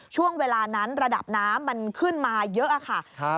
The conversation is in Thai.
ช่วงเวลานั้นระดับน้ำมันขึ้นมาเยอะค่ะ